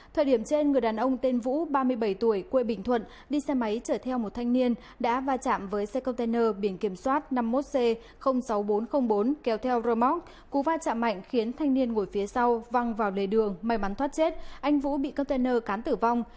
thời điểm trên người đàn ông tên vũ ba mươi bảy tuổi quê bình thuận đi xe máy chở theo một thanh niên đã va chạm với xe container biển kiểm soát năm mươi một c sáu nghìn bốn trăm linh bốn kéo theo rơ móc cú va chạm mạnh khiến thanh niên ngồi phía sau văng vào lề đường may mắn thoát chết anh vũ bị container cán tử vong